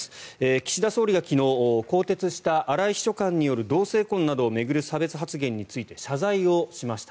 岸田総理が昨日、更迭した荒井秘書官による同性婚などを巡る差別発言について謝罪をしました。